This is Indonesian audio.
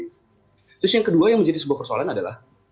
terus yang kedua yang menjadi sebuah persoalan adalah